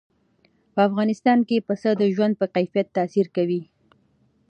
په افغانستان کې پسه د ژوند په کیفیت تاثیر کوي.